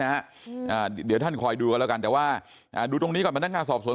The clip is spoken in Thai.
อ่าเดี๋ยวท่านคอยดูกันแล้วกันแต่ว่าอ่าดูตรงนี้ก่อนพนักงานสอบสวน